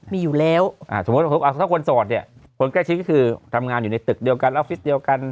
มีอยู่แล้วสมมุติถ้าคนโสดเนี่ยคนใกล้ชิดก็คือทำงานอยู่ในตึกเดียวกันออฟฟิศเดียวกัน